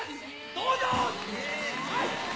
どうぞ。